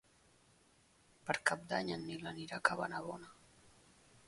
Per Cap d'Any en Nil anirà a Cabanabona.